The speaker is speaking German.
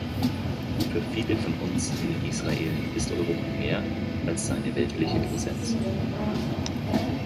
Für viele von uns in Israel ist Europa mehr als seine weltliche Präsenz.